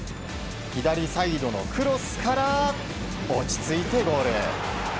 左サイドのクロスから落ち着いてゴール。